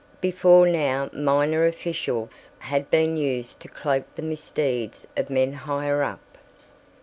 Before now minor officials had been used to cloak the misdeeds of men higher up.